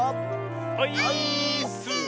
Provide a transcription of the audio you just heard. オイーッス！